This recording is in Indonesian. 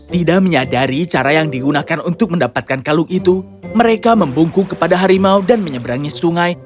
tidak menyadari cara yang digunakan untuk mendapatkan kalung itu mereka membungku kepada harimau dan menyeberangi sungai